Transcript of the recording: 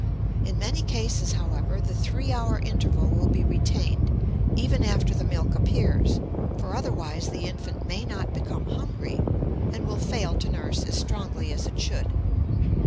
In many cases, however, the three hour interval will be retained even after the milk appears, for otherwise the infant may not become hungry and will fail to nurse as strongly as it should.